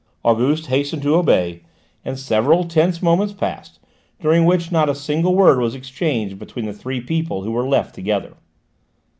Auguste hastened to obey, and several tense moments passed, during which not a single word was exchanged between the three people who were left together.